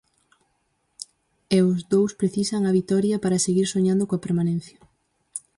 E os dous precisan a vitoria para seguir soñando coa permanencia.